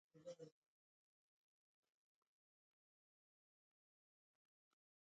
Menimeta me hwehvuma hwe matàŋga hweŋge.